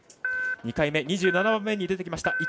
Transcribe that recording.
２回目、２７番目に出てきました。